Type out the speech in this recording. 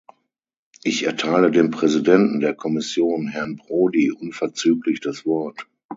Ich erteile dem Präsidenten der Kommission, Herrn Prodi, unverzüglich das Wort.